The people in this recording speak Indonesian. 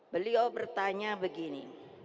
beliau bertanya begini